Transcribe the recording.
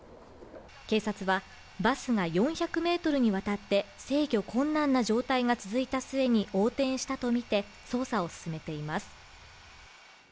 警察はバスが４００ｍにわたって制御困難な状態が続いた末に横転したとみて捜査を進めています